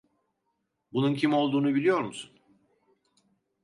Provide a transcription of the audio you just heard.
Bunun kim olduğunu biliyor musun?